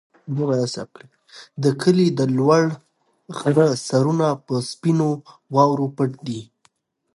د کلي د لوړ غره سرونه په سپینو واورو پټ دي.